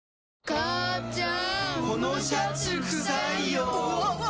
母ちゃん！